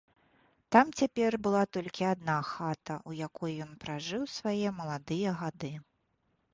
Там цяпер была толькі адна хата, у якой ён пражыў свае маладыя гады.